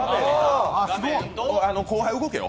後輩、動けよ！